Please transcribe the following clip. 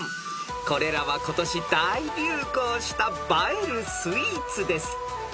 ［これらは今年大流行した映えるスイーツです］